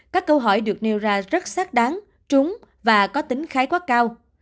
các câu hỏi được nêu ra rất xác đáng trúng và có tính khái quát cao